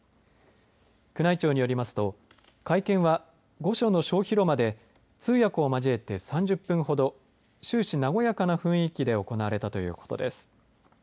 宮内庁によりますと会見は御所の小広間で通訳を交えて３０分ほど終始、和やかな雰囲気で行われたということです。